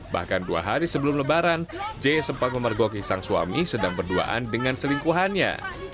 bahkan dua hari sebelum lebaran j sempat memergoki sang suami sedang berduaan dengan selingkuhannya